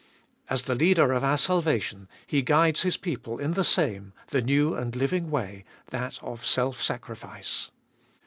As the Leader of our salvation He guides His people in the same, the new and living way, that of self sacrifice.